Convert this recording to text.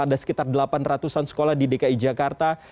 ada sekitar delapan ratus an sekolah di dki jakarta